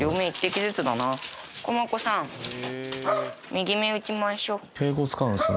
右目打ちましょ。